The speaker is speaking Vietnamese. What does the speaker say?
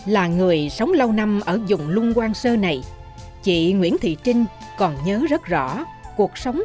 là người sống lâu năm ở dùng lung quang sơ này chị nguyễn thị trinh còn nhớ rất rõ cuộc sống